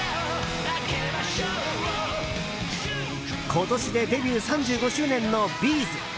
今年でデビュー３５周年のＢ’ｚ。